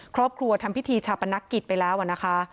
ครอบครัวทำพิธีชาปนกิจไปแล้วนะคะ